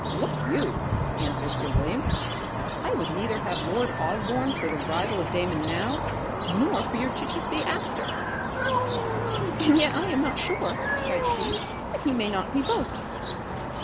"Look you," answered sir William, "I would neither have lord Osborne for the rival of Damon now, nor for your chichisbee hereafter." "And yet I am not sure," cried she, "that he may not be both."